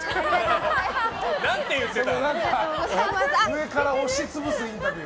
上から押し潰すインタビュー。